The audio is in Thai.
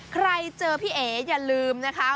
ใครเจอพี่เอ๋อย่าลืมนะคะ